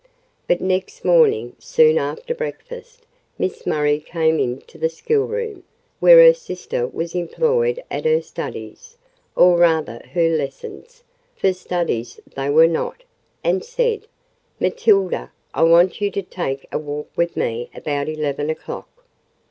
But next morning, soon after breakfast, Miss Murray came into the schoolroom, where her sister was employed at her studies, or rather her lessons, for studies they were not, and said, "Matilda, I want you to take a walk with me about eleven o'clock."